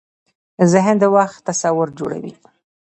ذهن د وخت تصور جوړوي.